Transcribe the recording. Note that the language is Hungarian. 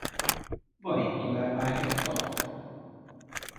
Van itt továbbá egy kath.